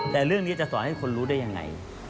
แต่เรื่องนี้จะสอนให้คนรู้ได้ยังไง